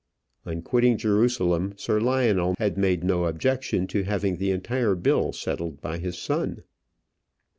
On quitting Jerusalem, Sir Lionel had made no objection to having the entire bill settled by his son.